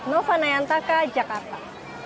nova nayantaka jakarta